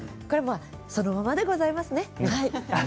そのままでございますね。